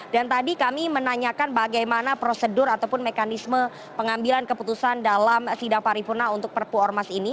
dan tadi kami menanyakan bagaimana prosedur ataupun mekanisme pengambilan keputusan dalam sidang paripurna untuk perpu ormas ini